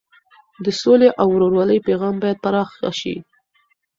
د سولې او ورورولۍ پیغام باید پراخه شي.